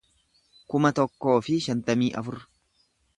kuma tokkoo fi shantamii afur